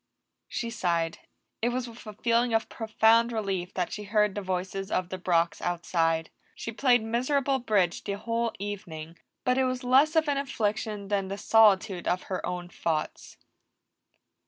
She sighed; it was with a feeling of profound relief that she heard the voices of the Brocks outside; she played miserable bridge the whole evening, but it was less of an affliction than the solitude of her own thoughts.